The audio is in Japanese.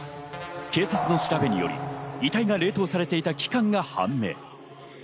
警察の調べにより、遺体が冷凍されていた期間が判明。